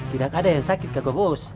tidak ada yang sakit kakak bos